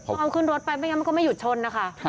เอาขึ้นรถไปไม่งั้นมันก็ไม่หยุดชนนะคะ